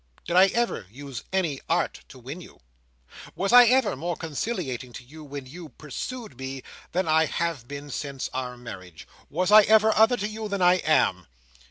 Did I ever use any art to win you? Was I ever more conciliating to you when you pursued me, than I have been since our marriage? Was I ever other to you than I am?"